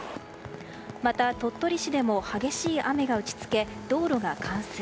また鳥取市でも激しい雨が打ち付け道路が冠水。